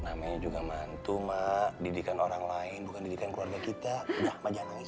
namanya juga mantu mak didikan orang lain bukan didikan keluarga kita udah majanang